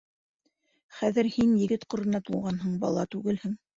Хәҙер һин егет ҡорона тулғанһың, бала түгелһең.